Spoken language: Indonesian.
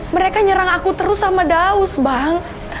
mereka nyerang aku terus sama daus bang